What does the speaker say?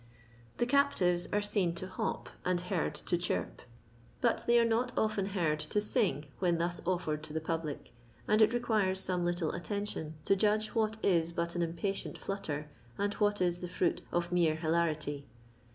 The eaptivea are seen to hop and heard to chirp, but they are not often heard to sing when thus ofiered to the public, and it requires some little attention to judge what is but an impatient flatter, and what is the fruit of mere hilarity.